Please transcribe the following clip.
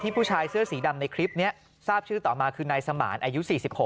ผู้ชายเสื้อสีดำในคลิปนี้ทราบชื่อต่อมาคือนายสมานอายุ๔๖